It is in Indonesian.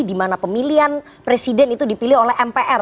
dimana pemilihan presiden itu dipilih oleh mpr